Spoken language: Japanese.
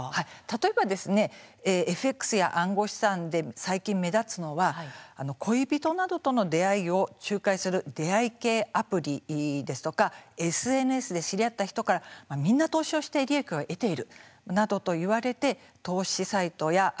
例えばですねＦＸや暗号資産で最近目立つのは恋人などとの出会いを仲介する出会い系アプリですとかＳＮＳで知り合った人からみんな投資をして利益を得ているなどと言われて投資サイトやアプリを紹介された。